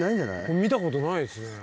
見たことないですね。